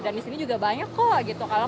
dan di sini juga banyak kok gitu